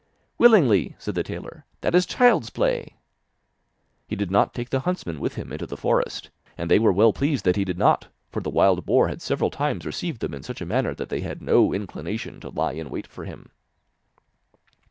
'Willingly,' said the tailor, 'that is child's play!' He did not take the huntsmen with him into the forest, and they were well pleased that he did not, for the wild boar had several times received them in such a manner that they had no inclination to lie in wait for him.